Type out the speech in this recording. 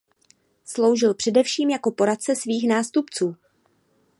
Sloužil především jako poradce svých nástupců.